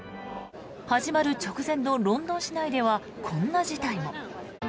始まる直前のロンドン市内ではこんな事態も。